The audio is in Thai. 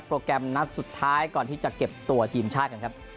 โปรแกรมนัดสุดท้ายก่อนที่จะเก็บตัวทีมชาติ